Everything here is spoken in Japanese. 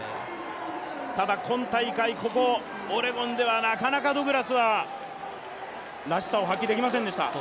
ただ、今大会、ここオレゴンではなかなかド・グラスはらしさを発揮できませんでした。